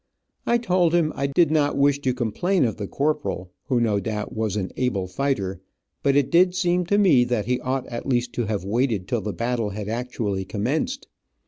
I told him I did not wish to complain of the corporal, who no doubt was an able fighter, but it did seem to me that he ought at least to have waited till the battle had actually commenced.